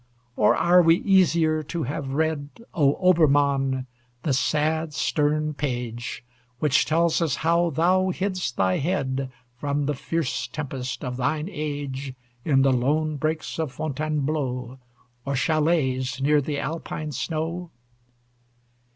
Or are we easier to have read, O Obermann! the sad, stern page, Which tells us how thou hidd'st thy head From the fierce tempest of thine age In the lone brakes of Fontainebleau, Or châlets near the Alpine snow?